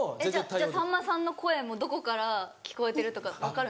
じゃあさんまさんの声もどこから聞こえてるとか分かるんですか？